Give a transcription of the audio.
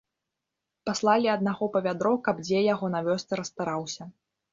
Паслалі аднаго па вядро, каб дзе яго на вёсцы расстараўся.